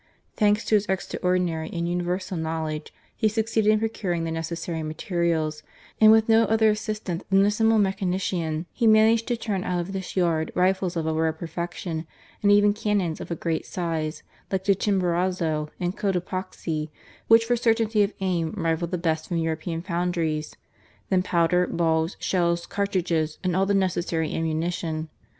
Thanks to his extraordinary and universal knowledge, he succeeded in procuring the necessary materials, and with no other assistant than a simple mechanician he managed to turn out of this yard rifles of a rare perfection, and even cannons of a great size like the Chimborazo and Cotopaxiy which for certainty of aim rivalled the best from European foundries ; then powder, balls,, shells, cartridges, and aU the necessary ammunition.